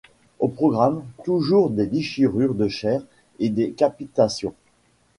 Au programme, toujours des déchirures de chairs et des décapitations.